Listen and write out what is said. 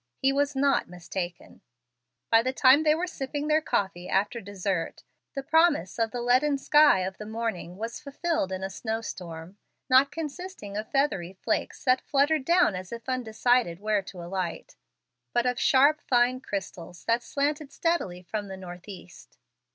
He was not mistaken. By the time they were sipping their coffee after dessert, the promise of the leaden sky of the morning was fulfilled in a snow storm, not consisting of feathery flakes that fluttered down as if undecided where to alight, but of sharp, fine crystals that slanted steadily from the north east.